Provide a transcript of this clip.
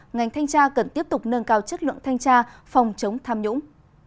ngành thanh tra cần tiếp tục nâng cao chất lượng thanh tra phòng chống tham nhũng